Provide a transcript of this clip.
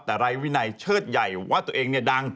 แต่ไร้วินัยเชิดใหญ่ว่าตัวเองเนี่ยดัง